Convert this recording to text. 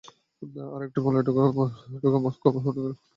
আরও একটি মামলায় ঢাকার মুখ্য মহানগর হাকিম আদালতে হাজির হওয়ার কথা।